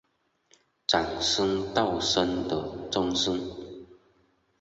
长孙道生的曾孙。